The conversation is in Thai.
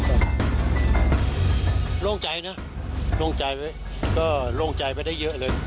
โล่งใจนะโล่งใจไปได้เยอะเลย